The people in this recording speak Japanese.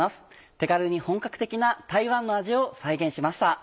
手軽に本格的な台湾の味を再現しました。